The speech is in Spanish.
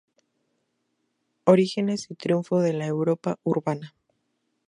Orígenes y triunfo de la Europa urbana".